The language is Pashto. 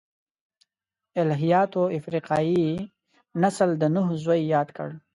الهیاتو افریقايي نسل د نوح زوی یاد کړ.